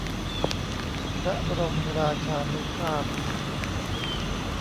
พระบรมราชานุภาพ